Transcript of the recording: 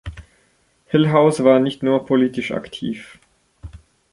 Hillhouse war nicht nur politisch aktiv.